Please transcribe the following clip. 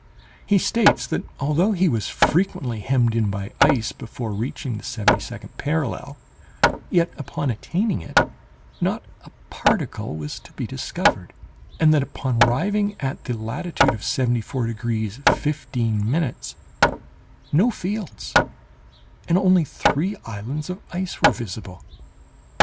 He states that although he was frequently hemmed in by ice before reaching the seventy second parallel, yet, upon attaining it, not a particle was to be discovered, and that, upon arriving at the latitude of 74 degrees 15', no fields, and only three islands of ice were visible.